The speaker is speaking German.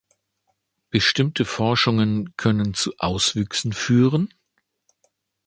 Bestimmte Forschungen können zu Auswüchsen führen?